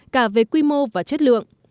cả về quy mô và chất lượng